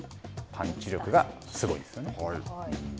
パンチ力がすごいです。